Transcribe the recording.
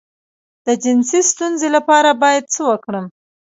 د جنسي ستونزې لپاره باید څه وکړم؟